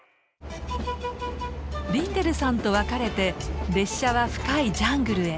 リンデルさんと別れて列車は深いジャングルへ。